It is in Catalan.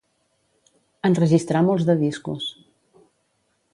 Enregistrà molts de discos.